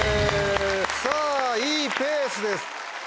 さぁいいペースです。